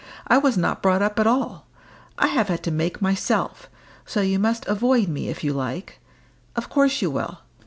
I was not brought up at all; I have had to make myself. So you must avoid me if you like. Of course you will.